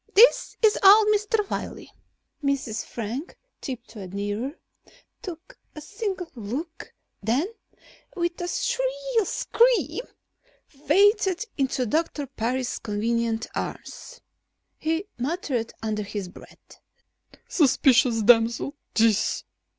This is old Mr. Wiley." Mrs. Frank tiptoed nearer, took a single look, then with a shrill scream fainted into Doctor Parris's convenient arms. He muttered under his breath: "Superstitious damsel, this."